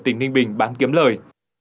tỉnh ninh bình bán kiếm lời